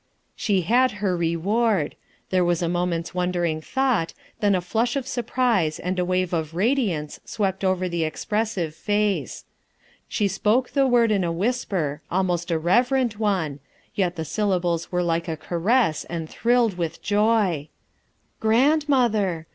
She had her reward. There was a moment's wondering thought, then a flush of surprise and a wave of radiance swept over the expres sive face* She spoke the word in a whisper almost a reverent one, yet the syllables wore like a caress, and thrilled with joy: — "'Grandmother'!